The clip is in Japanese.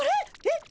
えっ？